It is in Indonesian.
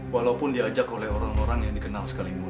walaupun diajak oleh orang orang yang dikenal sekalipun